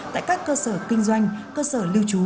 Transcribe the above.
tại các cơ sở kinh doanh cơ sở lưu trú